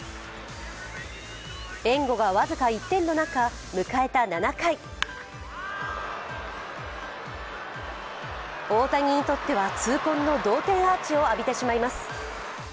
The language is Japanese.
援護が僅か１点の中、迎えた７回、大谷にとっては痛恨の同点アーチを浴びてしまいます。